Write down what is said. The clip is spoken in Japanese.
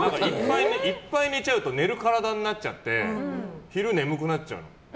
いっぱい寝ちゃうと寝る体になっちゃって昼眠くなっちゃうの。